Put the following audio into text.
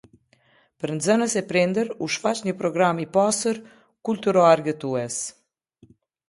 Për nxënës e prindër u shfaq një progam i pasur kulturo-argëtues.